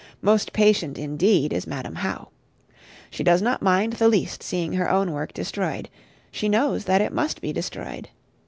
Most patient indeed is Madam How. She does not mind the least seeing her own work destroyed; she knows that it must be destroyed.